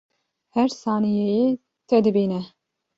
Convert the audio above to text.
Her saniyeyê te dibîne